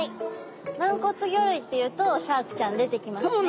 軟骨魚類っていうとシャークちゃん出てきますね。